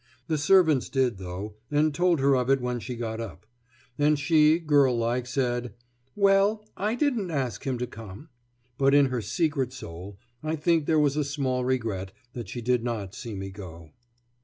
The servants did, though, and told her of it when she got up. And she, girl like, said, "Well, I didn't ask him to come;" but in her secret soul I think there was a small regret that she did not see me go.